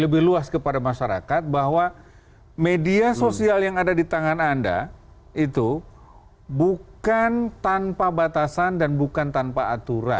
lebih luas kepada masyarakat bahwa media sosial yang ada di tangan anda itu bukan tanpa batasan dan bukan tanpa aturan